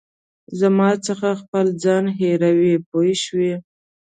زما څخه خپل ځان هېروې پوه شوې!.